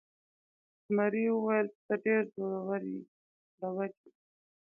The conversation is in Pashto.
زمري وویل چې ته ډیر زړور یې.